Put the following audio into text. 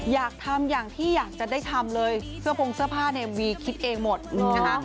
อยากทำอย่างที่อยากจะได้ทำเลยเสื้อพงเสื้อผ้าเนี่ยวีคิดเองหมดนะคะ